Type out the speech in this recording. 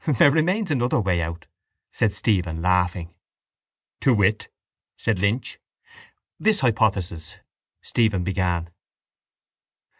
—There remains another way out, said Stephen, laughing. —To wit? said Lynch. —This hypothesis, Stephen began.